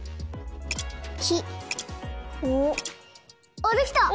あっできた！